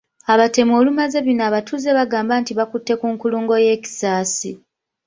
Abatemu olumaze bino abatuuze bagamba nti bakutte ku nkulungo y’e Kisasi.